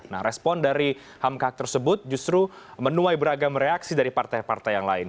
nah respon dari hamkak tersebut justru menuai beragam reaksi dari partai partai yang lain